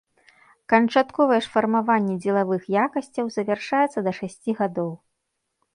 Канчатковае ж фармаванне дзелавых якасцяў завяршаецца да шасці гадоў.